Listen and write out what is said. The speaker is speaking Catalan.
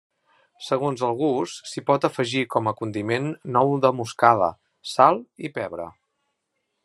Segons el gust, s'hi pot afegir com a condiment nou de moscada, sal i pebre.